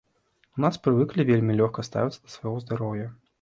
У нас прывыклі вельмі лёгка ставіцца да свайго здароўя.